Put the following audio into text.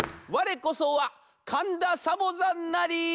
われこそはかんだサボざんなり」。